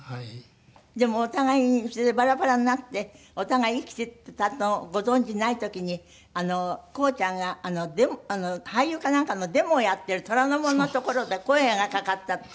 でもお互いにそれでバラバラになってお互い生きていたのをご存じない時に晃ちゃんが俳優かなんかのデモをやっている虎ノ門の所で声がかかったって。